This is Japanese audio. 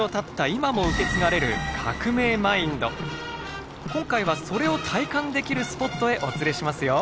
今も受け継がれる今回はそれを体感できるスポットへお連れしますよ。